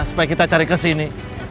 supaya kita cari kesini